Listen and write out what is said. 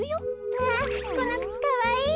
わこのくつかわいい。